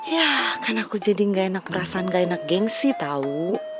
ya karena aku jadi gak enak perasaan gak enak geng sih tau